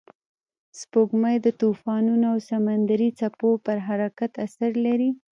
سپوږمۍ د طوفانونو او سمندري څپو پر حرکت اثر لري